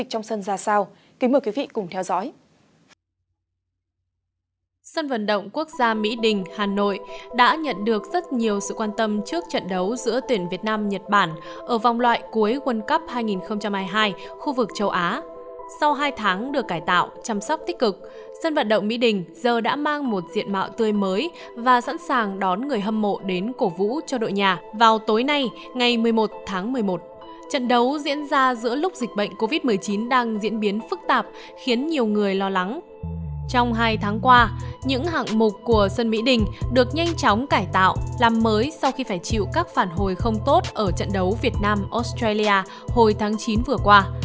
trong hai tháng qua những hạng mục của sân mỹ đình được nhanh chóng cải tạo làm mới sau khi phải chịu các phản hồi không tốt ở trận đấu việt nam australia hồi tháng chín vừa qua